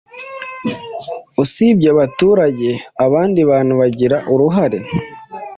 Usibye abaturage, abandi bantu bagira uruhare